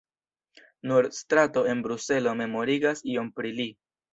Nur strato en Bruselo memorigas iom pri li.